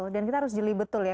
dan kita harus jeli betul ya